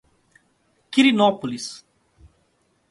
Quirinópolis